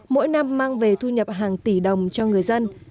mỗi năm mang về thu nhập hàng tỷ đồng cho người dân